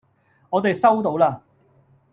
我哋收到啦